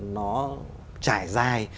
nó trải dài